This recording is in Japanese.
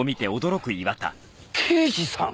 刑事さん！？